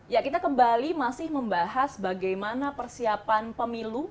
ya kita kembali masih membahas bagaimana persiapan pemilu